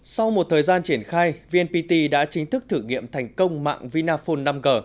sau một thời gian triển khai vnpt đã chính thức thử nghiệm thành công mạng vinaphone năm g